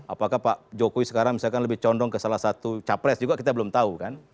apakah pak jokowi sekarang misalkan lebih condong ke salah satu capres juga kita belum tahu kan